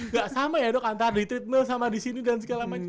gak sama ya dok antara di treadmill sama disini dan segala macem